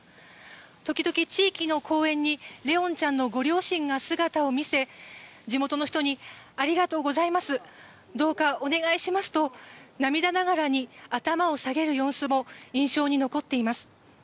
時々、地域の公園に怜音ちゃんの両親が姿を見せ地元の人にありがとうございますどうかお願いしますと涙ながらに頭を下げる様子も印象に残っています。